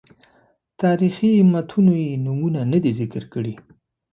تاریخي متونو یې نومونه نه دي ذکر کړي.